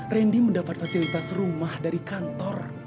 randy mendapat fasilitas rumah dari kantor